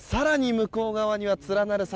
向こう側には連なる桜。